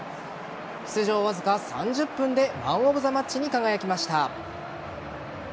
出場わずか３０分でマン・オブ・ザ・マッチに輝きました。